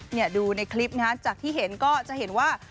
ดูในคลิปนะฮะจากที่เห็นก็จะเห็นว่า